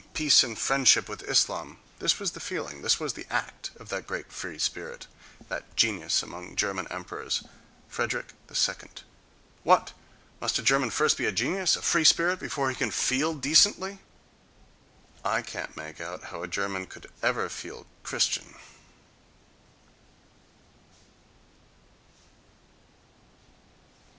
Peace and friendship with Islam!": this was the feeling, this was the act, of that great free spirit, that genius among German emperors, Frederick II. What! must a German first be a genius, a free spirit, before he can feel decently? I can't make out how a German could ever feel Christian....